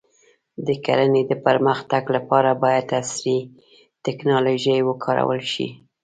د کرنې د پرمختګ لپاره باید عصري ټکنالوژي وکارول شي.